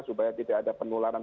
supaya tidak ada penularan